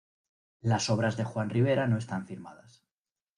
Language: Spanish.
Las obras de Juan Rivera no están firmadas.